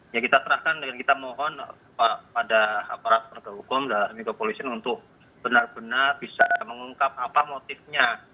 ya kita serahkan dan kita mohon pada aparat penegak hukum dan kepolisian untuk benar benar bisa mengungkap apa motifnya